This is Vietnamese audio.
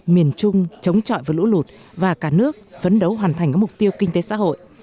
miền trung chống chọi với lũ lụt và cả nước phấn đấu hoàn thành các mục tiêu kinh tế xã hội